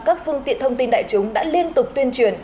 các phương tiện thông tin đại chúng đã liên tục tuyên truyền